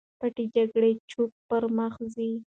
پټې جګړې چوپ پر مخ ځي.